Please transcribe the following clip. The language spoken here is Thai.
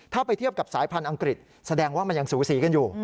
ถ้าไปเทียบกับสายพันธุ์อังกฤษแสดงว่ามันยังสูสีกันอยู่